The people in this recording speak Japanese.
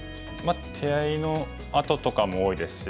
手合のあととかも多いですし。